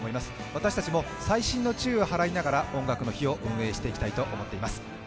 私たちも細心の注意を払いながら「音楽の日」をお送りしたいと思います。